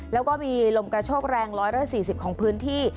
แล้วก็มีลมกระโชกแรง๑๔๐ของพื้นที่